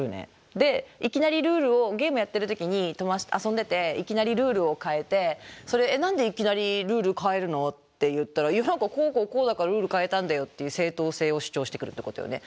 でいきなりルールをゲームやってる時に友達と遊んでていきなりルールを変えて「それえっ何でいきなりルール変えるの？」って言ったら「こうこうこうだからルール変えたんだよ」っていう正当性を主張してくるってことよね？